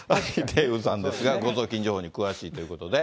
デーブさんですが、誤送金情報に詳しいということで。